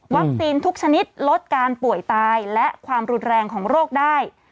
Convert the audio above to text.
ทุกชนิดลดการป่วยตายและความรุนแรงของโรคได้